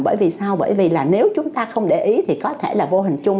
bởi vì sao bởi vì là nếu chúng ta không để ý thì có thể là vô hình chung